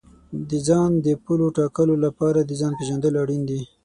د ځان د پولو ټاکلو لپاره د ځان پېژندل اړین دي.